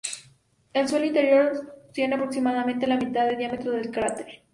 El suelo interior tiene aproximadamente la mitad del diámetro del cráter.